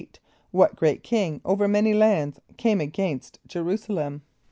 = What great king over many lands came against J[+e] r[u:]´s[+a] l[)e]m?